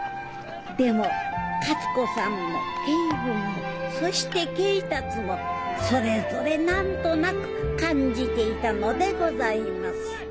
でも勝子さんも恵文もそして恵達もそれぞれ何となく感じていたのでございます。